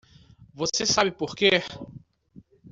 Você sabe porque?